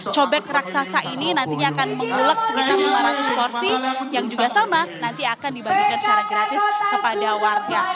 cobek raksasa ini nantinya akan mengulek sekitar lima ratus porsi yang juga sama nanti akan dibagikan secara gratis kepada warga